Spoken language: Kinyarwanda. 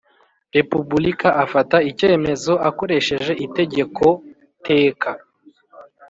Repubulika afata icyemezo akoresheje itegekoteka